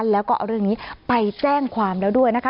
แล้วก็เอาเรื่องนี้ไปแจ้งความแล้วด้วยนะคะ